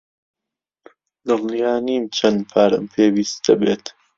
دڵنیا نیم چەند پارەم پێویست دەبێت.